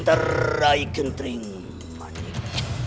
untuk raih kenteri manik